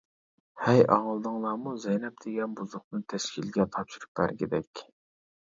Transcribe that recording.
ھەي ئاڭلىدىڭلارمۇ زەينەپ دېگەن بۇزۇقنى تەشكىلگە تاپشۇرۇپ بەرگىدەك.